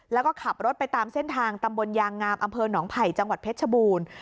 แล้วก็ขับรถไปตามเส้นทางตำบลยางงามอำเภอหนองไผ่จังหวัดเพชรชบูรณ์